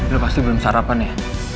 udah pasti belum sarapan ya